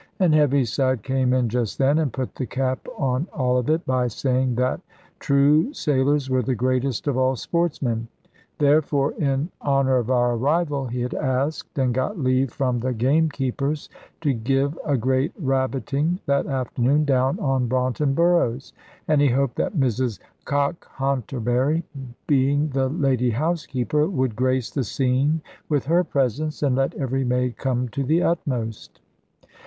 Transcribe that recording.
And Heaviside came in just then, and put the cap on all of it, by saying that true sailors were the greatest of all sportsmen; therefore, in honour of our arrival, he had asked, and got leave from the gamekeepers, to give a great rabbiting that afternoon down on Braunton Burrows; and he hoped that Mrs Cockhanterbury, being the lady housekeeper, would grace the scene with her presence, and let every maid come to the utmost.